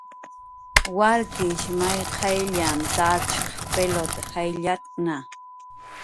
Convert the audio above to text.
Warkish may qaylllanh tatshq pilut jayllatkna